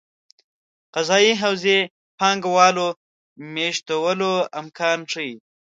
قضايي حوزې پانګه والو مېشتولو امکان ښيي.